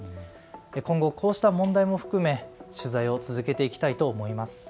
今後、こうした問題も含め取材を続けていきたいと思います。